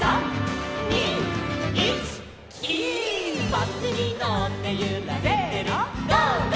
「バスにのってゆられてる」せの！